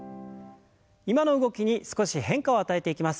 今の動きに少し変化を与えていきます。